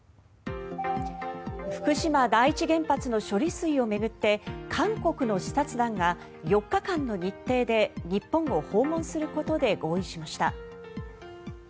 福島第一原発の処理水を巡って韓国の視察団が４日間の日程で日本を訪問することで合意しました。